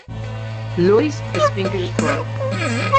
Louis Simpkins-Ford.